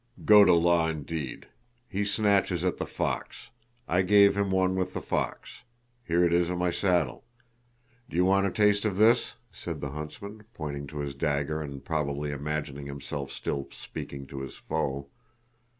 Go to law, indeed!... He snatches at the fox! I gave him one with the fox. Here it is on my saddle! Do you want a taste of this?..." said the huntsman, pointing to his dagger and probably imagining himself still speaking to his foe.